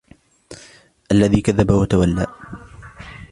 الَّذِي كَذَّبَ وَتَوَلَّى